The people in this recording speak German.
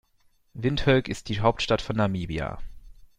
Windhoek ist die Hauptstadt von Namibia.